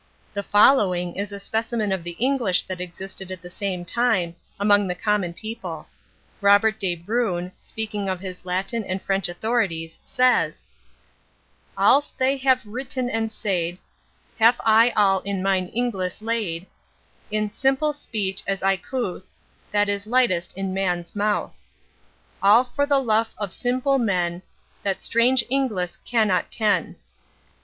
The following is a specimen of the English that existed at the same time, among the common people. Robert de Brunne, speaking of his Latin and French authorities, says: "Als thai haf wryten and sayd Haf I alle in myn Inglis layd, In symple speche as I couthe, That is lightest in manne's mouthe. Alle for the luf of symple men, That strange Inglis cannot ken."